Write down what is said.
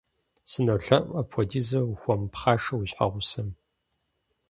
СынолъэӀу, апхуэдизу ухуэмыпхъашэ уи щхьэгъусэм.